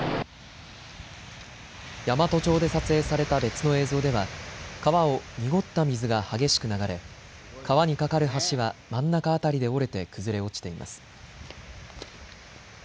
山都町で撮影された別の映像では川を濁った水が激しく流れ川に架かる橋は真ん中辺りで折れて崩れ落ちています。